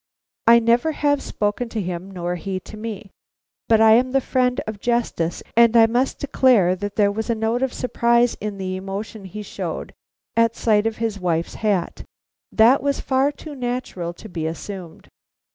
"I never have spoken to him nor he to me, but I am the friend of justice, and I must declare that there was a note of surprise in the emotion he showed at sight of his wife's hat, that was far too natural to be assumed."